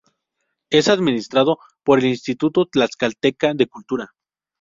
Es administrado por el Instituto Tlaxcalteca de Cultura.